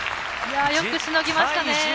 よくしのぎましたね。